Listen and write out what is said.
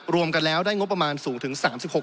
รวมกันแล้วได้งบประมาณสูงถึง๓๖